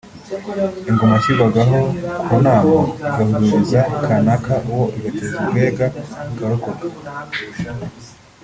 Ingoma yashyirwaga ku nama igahururiza Kanaka uwo igateza ubwega akarokoka